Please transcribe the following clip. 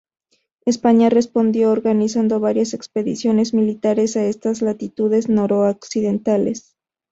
España respondió organizando varias expediciones militares a esas latitudes noroccidentales.